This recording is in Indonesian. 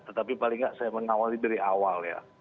tetapi paling nggak saya mengawali dari awal ya